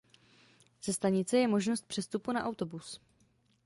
Ze stanice je možnost přestupu na autobus.